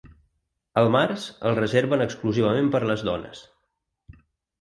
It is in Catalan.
Al març el reserven exclusivament per les dones.